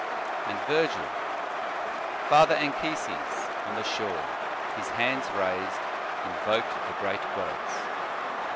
"* And Virgil: "Father Anchises on the shore, o his hands raised, invoked the great gods."